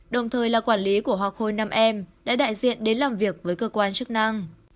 đồng thời là quản lý của hoa khôi nam em đã đại diện đến làm việc với cơ quan chức năng